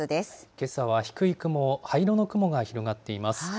けさは低い雲、灰色の雲が広がっています。